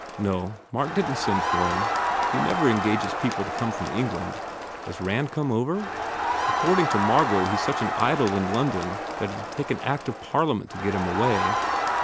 No, Mark didn t send for him. He never engages people to come from England. Has Rand come over? According to Margot he s such an idol in London that it d take an act of Parliament to get him away.